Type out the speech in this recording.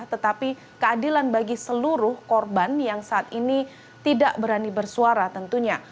tetapi keadilan bagi seluruh korban yang saat ini tidak berani bersuara tentunya